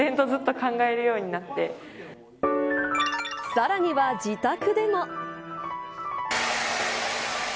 さらには自宅でも。